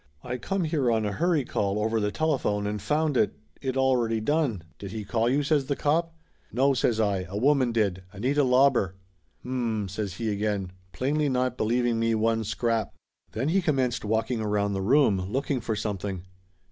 I come here on a hurry call over the telephone and found it it already done." "Did he call you ?" says the cop. "No," says I. "A woman did. Anita Lauber." "H'm !" says he again, plainly not believing me one scrap. Then he commenced walking around the room, look ing for something.